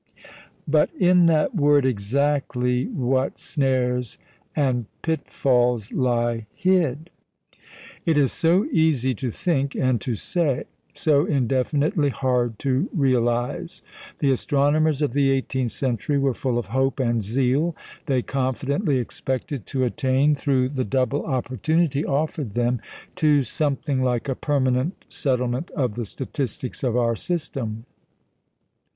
But in that word "exactly" what snares and pitfalls lie hid! It is so easy to think and to say; so indefinitely hard to realise. The astronomers of the eighteenth century were full of hope and zeal. They confidently expected to attain, through the double opportunity offered them, to something like a permanent settlement of the statistics of our system.